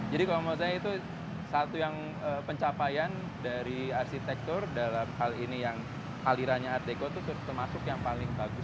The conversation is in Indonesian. jadi kalau menurut saya itu satu yang pencapaian dari arsitektur dalam hal ini yang alirannya art deco itu termasuk yang paling bagus